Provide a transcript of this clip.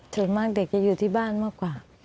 ส่วนมากเด็กจะอยู่ที่บ้านมากกว่า